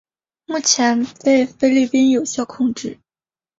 目前被菲律宾有效控制。